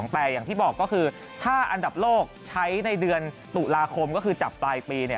แต่อย่างที่บอกก็คือถ้าอันดับโลกใช้ในเดือนตุลาคมก็คือจับปลายปี